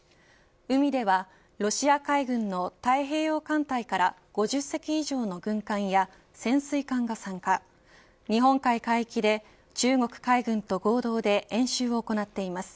海ではロシア海軍の太平洋艦隊から５０隻以上の軍艦や潜水艦が参加日本海海域で中国海軍と合同で演習を行っています。